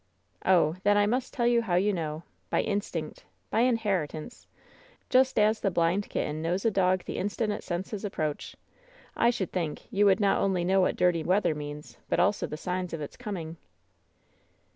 "Oh! then I must tell you how you know. By in stinct. By inheritance. Just as the blind kitten knows WHEN SHADOWS DIE 68 a dog the instant it Bcents his approach. I should think you would know not only what dirty weather means, but also the signs of its coming."